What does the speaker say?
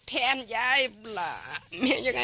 แตนรดบ่าร่า